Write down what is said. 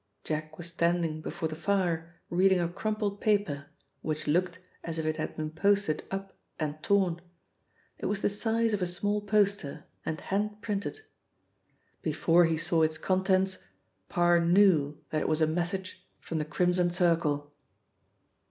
Jack was standing before the fire reading a crumpled paper which looked as if it had been posted up and torn. It was the size of a small poster and hand printed. Before he saw its contents, Parr knew that it was a message from the Crimson Circle.